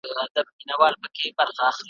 په توبه توبه زاهد کړمه مجبوره ,